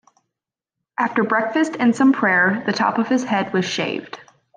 After breakfast and some prayer, the top of his head was shaved.